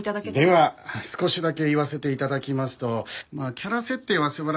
では少しだけ言わせて頂きますとキャラ設定は素晴らしく